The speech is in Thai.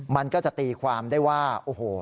มันก็จะตีความได้ว่าโอ้โห